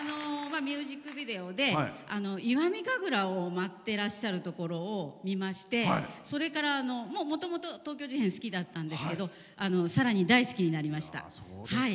ミュージックビデオで石見神楽を舞ってらっしゃるところを見ましてもともと東京事変好きだったんですけどさらに大好きになりました。